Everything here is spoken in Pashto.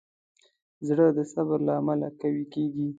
زړه د صبر له امله قوي کېږي.